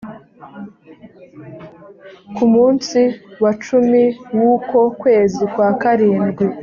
ku munsi wa cumi w uko kwezi kwa karindwi